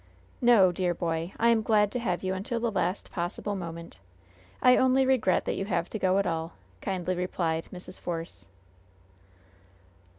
"No, dear boy, I am glad to have you until the last possible moment. I only regret that you have to go at all," kindly replied Mrs. Force.